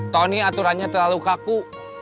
tony aturannya terlalu kaku